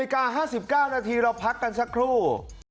ขอบคุณครับ